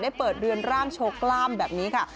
เปิดเรือนร่างโชว์กล้ามแบบนี้ค่ะ